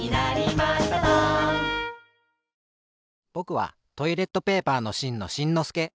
ぼくはトイレットペーパーのしんのしんのすけ。